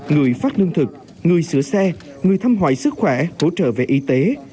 người phát nương thực người sửa xe người thăm hoại sức khỏe hỗ trợ về y tế